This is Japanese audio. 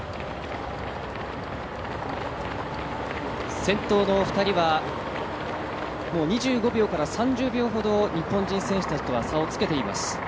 先頭の２人はもう２５秒から３０秒ほど日本選手たちとは差をつけています。